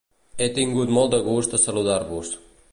He tingut molt de gust a saludar-vos.